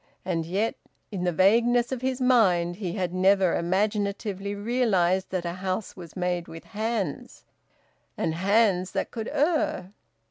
And yet, in the vagueness of his mind, he had never imaginatively realised that a house was made with hands, and hands that could err.